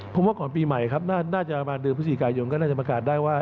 ผมว่าก่อนปีใหม่ครับน่าจะประมาณเดือนพฤศจิกายนก็น่าจะประกาศได้ว่า